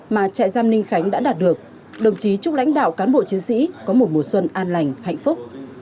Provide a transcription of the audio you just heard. mà trại giam ninh khánh đã đạt được đồng chí chúc lãnh đạo cán bộ chiến sĩ có một mùa xuân an lành hạnh phúc